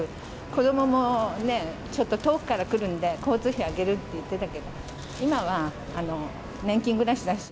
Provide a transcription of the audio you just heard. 子どももちょっと、遠くから来るんで、交通費あげるって言ってたけど、今は、年金暮らしだし。